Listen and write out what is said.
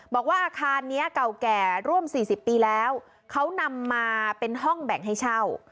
บอกว่าอาคารนี้เก่าแก่ร่วม๔๐ปีแล้วเขานำมาเป็นห้องแบ่งให้เช่า